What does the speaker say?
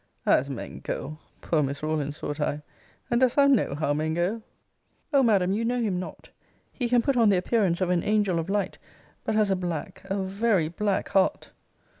As men go! Poor Miss Rawlins, thought I; and dost thou know how men go? Cl. O Madam, you know him not! He can put on the appearance of an angel of light; but has a black, a very black heart!